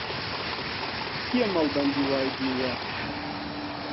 کێ مەڵبەندی وای دیوە؟